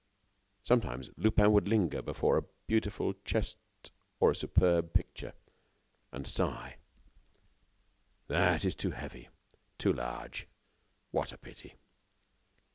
Sometimes, Lupin would linger before a beautiful chest or a superb picture, and sigh: "That is too heavy.... too large.... what a pity!"